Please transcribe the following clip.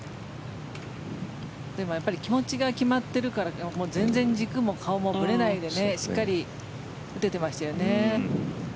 でも気持ちが決まっているから全然軸も顔もぶれなくてしっかり打ててましたよね。